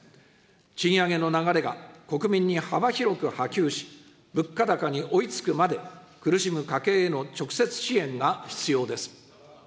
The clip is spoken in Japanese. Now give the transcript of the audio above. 賃上げの流れが国民に幅広く波及し、物価高に追いつくまで、苦しむ家計への直接支援が必要です。